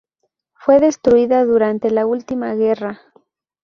Fue destruida durante la última guerra.